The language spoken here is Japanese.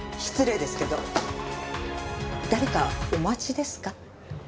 失礼ですけど誰かお待ちですか？